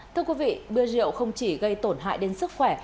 thưa quý vị bưa rượu không chỉ gây tổn hại đến sức khỏe